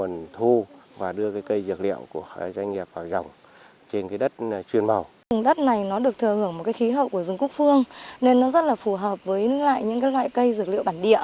chủ trương tích chủ rộng đất này nó được thừa hưởng một cái khí hậu của rừng quốc phương nên nó rất là phù hợp với những loại cây dược liệu bản địa